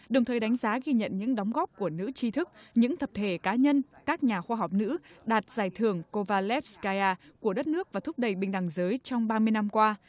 đồng thời đánh giá ghi nhận những đóng góp của nữ tri thức những thập thể cá nhân các nhà khoa học nữ đạt giải thưởng kovalev skyar của đất nước và thúc đẩy bình đẳng giới trong ba mươi năm qua